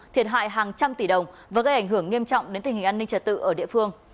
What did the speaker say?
thiệt hại hàng trăm tỷ đồng và gây ảnh hưởng nghiêm trọng đến tình hình an ninh trật tự ở địa phương